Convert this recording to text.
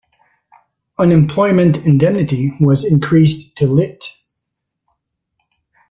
Unemployment indemnity was increased to Lit.